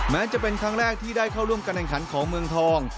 แม้จะเป็นครั้งแรกที่ได้เข้าร่วมการแข่งขันของเมืองทอง